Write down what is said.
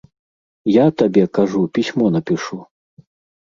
Я табе, кажу, пісьмо напішу.